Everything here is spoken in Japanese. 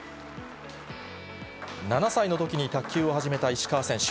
７歳のときに卓球を始めた石川選手。